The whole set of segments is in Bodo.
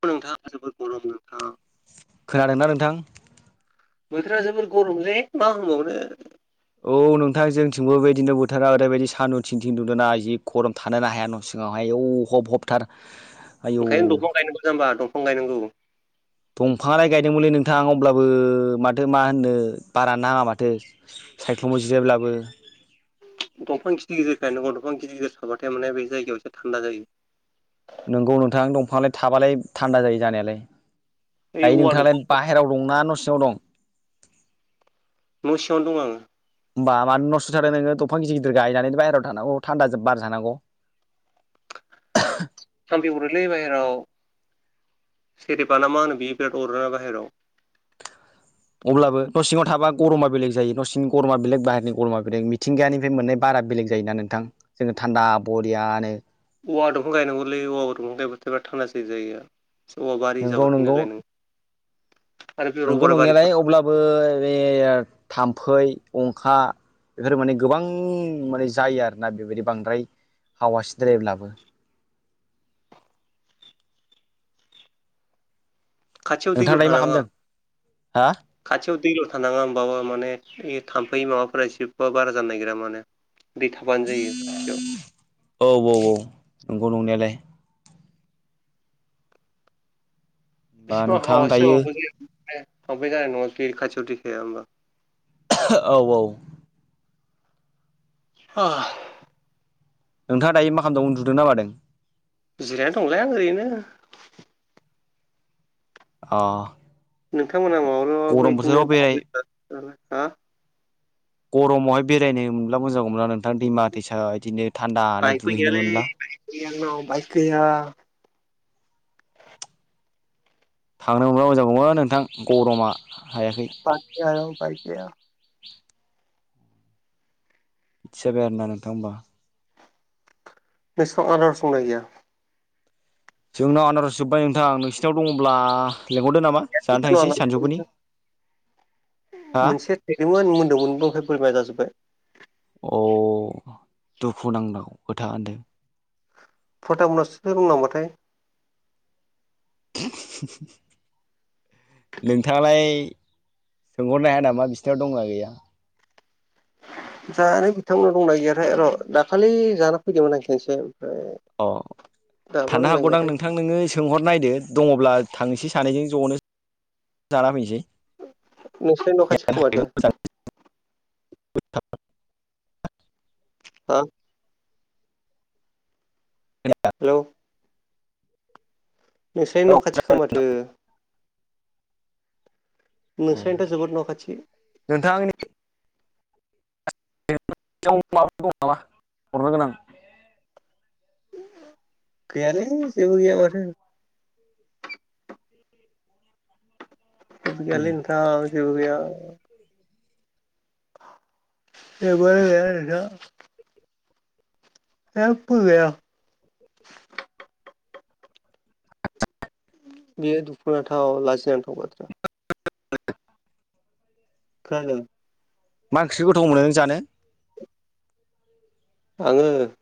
औ नोंथां जोोबद गरम नोंथां खोनादोंना नोंथां बोथोरा जोबोर गरम लै मा होनबावनो औ नोंथां जोंथिंबो बेबायदिनो बोथोरा ओरैबायदि सानदुं थिं थिं दुंदोंना जि गरम थानोनो हाया न सिंङाव सिङावहाय आयु हब हबथार आयौ ओंखायनो दंफां गायनांगौ जामबा दंफां गायनांगौ दंफाङालाय गायदोंमोनलै नोंथां अब्लाबो माथो मा होननो बारानो नाङा माथो सायख्लुमाव जिरायब्लाबो दफां गिदर गिदिर गायनांगौ दंफां गिदर गिदिर थाबाथाय माने बे जायगायाव एसे थान्दा जायो नोंगौ नोंथां दंफाङालाय थाबालाय थान्दा जायो जानायालाय ओइ दायो औवा नोंथाङालाय दंफां बाह बाहेरायाव दं न' सिङाव दं न' सिावनो दं आङो होमबा मानो नसिंङाव थादों नों दंफां गिदर गदिर गायनानै बाहेरायाव थानांगौ थान्दा बार जानांगौ थामफै अरोलै बाहेरायाव सेरेबा ना मा होनो बियो बिराद अरोना बाहेरायाव अब्लाबो न' सिङाव थाबा गरमा बेलेग जायो न' सिंनि गरमा बेलेग बाहेरनि गरमा बेलेग मिथिंगानिफ्राय मोननाय बारा बेलेग जायोना नोंथां जोङो थान्दा बरियानो औवा दंफां गायनांगौलै औवा दंफां गायबाथायबा थान्दासिन जायो ओवा बारि नोंगौ जाबाथाइ नालाय नों आरो बे नंगौ रबार नंनायालाय बारिफोर अब्लाबो बे थाम्फै अंखा बेफोर माने गोबां माने जायो आरोना बेबायदि बांद्राय हावासिद्रायब्लाबो खाथियाव नोंथाङा दैल' दायो मा थानाङा खालामदों हा खाथियाव दैल' थानाङा होमबाबा माने ओइ थाम्फै माबाफोरा एसेबां बारा जानो नागिरा माने दैथाबानो जायो खाथियाव औ औ औ नंगौ नंनायालाय होमबा एसिबां नोंथां दायो हावासियावबो [unintelligible] जानाय नङा [unintelligible] खाथियाव दै थायामोनबा औ औ [unintelligible] नोंथाङा दायो मा खालामदों उन्दुदोंना मादों जिरायना दंलै आं ओरैनो अ नोंथांमोना माब्लाबाबो गरम बिदिनो बोथोराव दाव बेराय बेदर [unintelligible] गरमावहाय बेरायनो मोनब्ला मोजां जागौमोन ना नोंथां दैमा दैसा बिदिनो थान्दानो बाइकबो दुगैहैनो गैयालै मोनब्ला [unintelligible] आंनाव बाइक गैया थांनो मोनब्ला मोजां जागौमोन नोंथां गरमा हायाखै बाइक गैया बाइक गैया बिदसो जाबाय आरो ना नोंथां होमबा नोंसोरनाव आनारस दंना गैया जोंनाव आनारस जोब्बाय नोंथां नोंसिनाव दङब्ला लेंहरदो नामा जानो थांनोसै सानजौगफुनि मोनसे थाइदोंमोन मोन्दोंमोनबो ओमफ्राय बोरमाया जाजोब्बाय अ दुखु नांथाव खोथा होनदों प्रताबमोननावसो दं नामा थाय [inaudible] नोंथाङालाय सोंहरनो हाया नामा बिसिनाव दंना गैया जानो बिथांमोननाव दंना गैयाथाय र' दाखालि जाना फैदोंमोन आं खेनसे ओमफाय अ थानो हागौदां नोंथां नोङो सोंहर नायदो दङब्ला थांनोसै सानैजों ज'नो जाना नोंसिनि न' फैनोसै खाथि खोमाथो देहानि थाखायबो मोजां [unintelligible] [unintelligible] [unintelligible] हेलौ [inaudible] नोंस्रानि न' खाथिखा माथो नोंस्रानिथ' जोबोद न' खाथि नोंथाङा आंनि [unintelligible] माबाफोर दं नामा हरनो गोनां गैयालै जेबो गैया माथो [inaudible] जेबो गैयालै नोंथां जेबो गैया जेबो गैया नोंथां जेबबो गैया बेयो दुखुनांथाव लाजिनांथाव बाथ्रा खोनादों मा ओंख्रिखौ गोथाव मोनो नों जानो आङो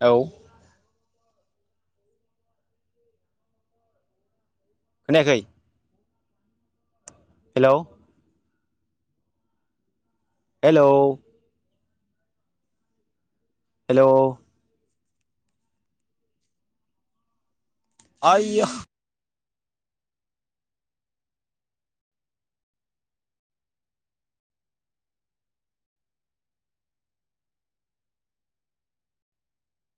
औ खोनायाखै हेलौ हेलौ हेलौ आइया